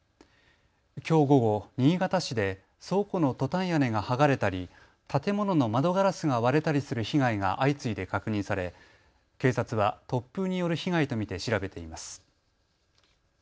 きょう午後、新潟市で倉庫のトタン屋根が剥がれたり建物の窓ガラスが割れたりする被害が相次いで確認され警察は突風による被害と見て調べています。